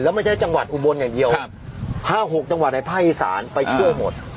แล้วไม่ใช่จังหวัดอุบรณ์อย่างเดียวครับห้าหกจังหวัดในภาคอีสานไปช่วยหมด